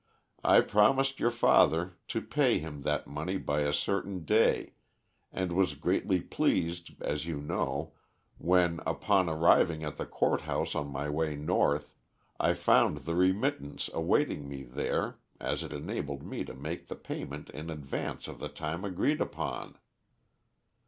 I promised your father to pay him that money by a certain day, and was greatly pleased, as you know, when, upon arriving at the Court House on my way north, I found the remittance awaiting me there, as it enabled me to make the payment in advance of the time agreed upon.